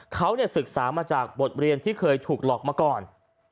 เขาศึกษามาจากบทเรียนที่เคยถูกหลอกมาก่อน